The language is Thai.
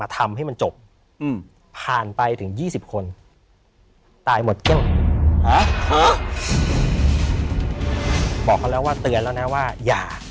เขาเรียกว่าเตือนแล้วนะว่าอย่า